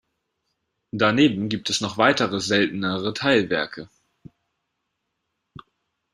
Daneben gibt es noch weitere, seltenere Teilwerke.